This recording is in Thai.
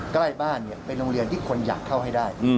ใกล้บ้านเป็นโรงเรียนที่คนอยากเข้าให้ได้